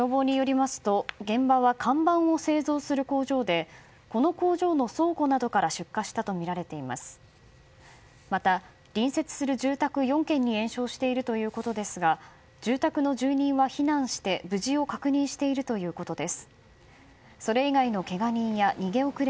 また、隣接する住宅４軒に延焼しているということですが住宅の住人は避難して、無事を確認しているということです。